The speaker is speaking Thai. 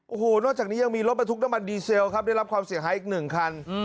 โอ้โหนอกจากนี้ยังมีรถบรรทุกน้ำมันดีเซลครับได้รับความเสียหายอีกหนึ่งคัน